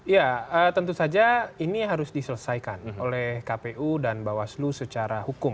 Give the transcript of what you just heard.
ya tentu saja ini harus diselesaikan oleh kpu dan bawaslu secara hukum